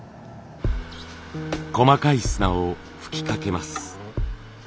細かい砂を吹きかけます。